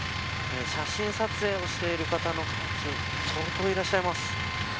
写真撮影をしている方もたくさんいらっしゃいます。